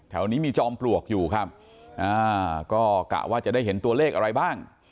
แถวนี้มีจอมปลวกอยู่ครับก็กะว่าจะได้เห็นตัวเลขอะไรบ้าง